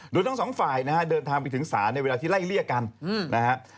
โดยทั้งสองฝ่ายนะฮะเดินทางไปถึงศาลในเวลาที่ไล่เลี่ยกันนะฮะ